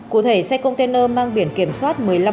cụ thể xe container mang biển kiểm soát